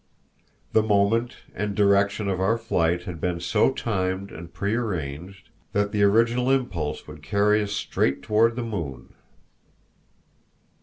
The moment and direction of our flight had been so timed and prearranged, that the original impulse would carry us straight toward the moon.